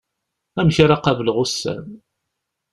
Amek ara qableɣ ussan?